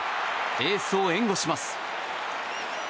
エースを援護します。